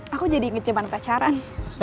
aku jadi inget cuma pacaran